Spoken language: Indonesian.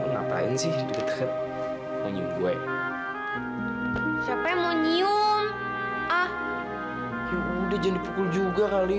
ngapain sih deket deket nyanyi gue siapa yang menyium ah udah jadi pukul juga kali